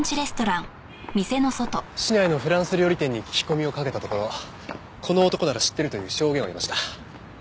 市内のフランス料理店に聞き込みをかけたところこの男なら知ってるという証言を得ました。